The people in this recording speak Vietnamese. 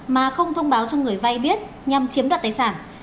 mà không thông báo cho người vay biết nhằm chiếm đoạt tài sản